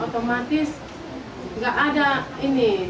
otomatis nggak ada ini